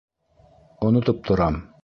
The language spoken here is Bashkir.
Онотоп торам.